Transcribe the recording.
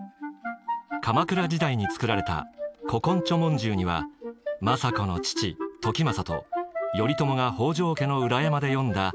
鎌倉時代に作られた「古今著聞集」には政子の父時政と頼朝が北条家の裏山で詠んだ